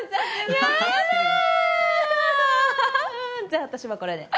じゃあ私はこれで。